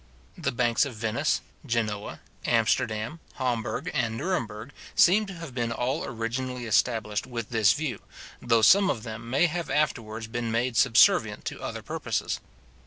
The banks of Venice, Genoa, Amsterdam, Hamburg, and Nuremberg, seem to have been all originally established with this view, though some of them may have afterwards been made subservient to other purposes.